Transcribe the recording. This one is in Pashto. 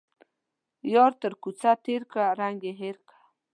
يار تر کوڅه تيرکه ، رنگ يې هير که.